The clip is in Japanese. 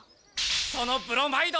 そのブロマイド！